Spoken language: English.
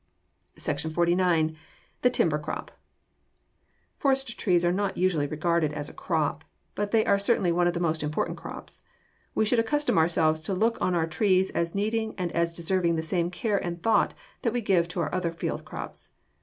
SECTION XLIX. THE TIMBER CROP Forest trees are not usually regarded as a crop, but they are certainly one of the most important crops. We should accustom ourselves to look on our trees as needing and as deserving the same care and thought that we give to our other field crops.